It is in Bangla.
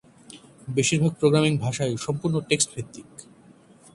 বেশির ভাগ প্রোগ্রামিং ভাষাই সম্পূর্ণ টেক্সট-ভিত্তিক।